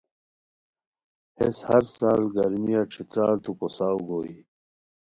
ہیس ہرسال گرمیہ ݯھترارتو کوساؤ گوئے